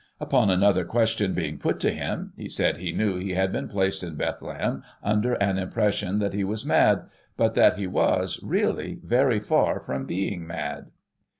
Upon another question being put to him, he said he knew he had been placed in Bethlehem under an impression that he was mad, but that he was, really, very far from being mad.